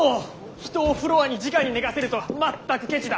人をフロアにじかに寝かせるとはまったくケチだ。